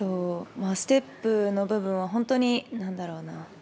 ステップの部分は本当になんだろうな。